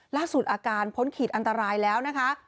ล่าสุดอาการพ้นขีดอันตรายแล้วนะคะ